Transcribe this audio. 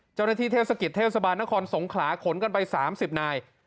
เจ้าหน้าที่เทวศกิตเทวสบานนะครสงขลาขนกันไปสามสิบหน่าย